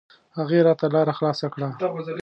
هغې راته لاره خلاصه کړه.